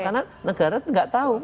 karena negara tidak tahu